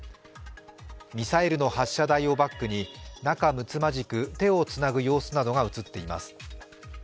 ミサイルの発射台をバックに仲むつまじく手をつなぐ様子などが映っています。